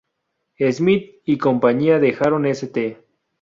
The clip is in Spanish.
Smith y compañía dejaron St.